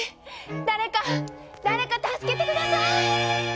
誰か誰か助けて下さい！